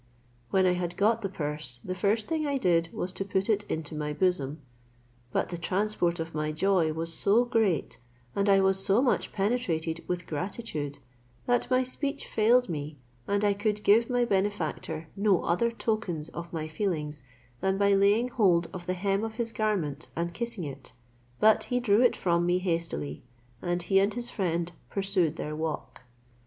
When I had got the purse, the first thing I did was to put it into my bosom; but the transport of my joy was so great, and I was so much penetrated with gratitude, that my speech failed me and I could give my benefactor no other tokens of my feelings than by laying hold of the hem of his garment and kissing it; but he drew it from me hastily, and he and his friend pursued their walk.